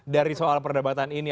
dari soal perdebatan ini